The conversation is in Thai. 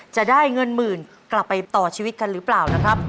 จะได้เงินหมื่นกลับไปต่อชีวิตกันหรือเปล่านะครับ